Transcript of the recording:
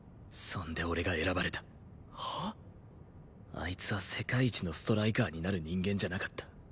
あいつは世界一のストライカーになる人間じゃなかった。